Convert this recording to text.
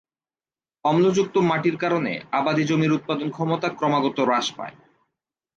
অম্লযুক্ত মাটির কারণে আবাদী জমির উৎপাদন ক্ষমতা ক্রমাগত হ্রাস পায়।